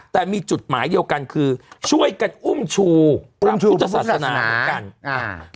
แต่มีจุดหมายเดียวกันคือช่วยกันอุ้มชูพระพุทธศาสนาเหมือนกันอ่า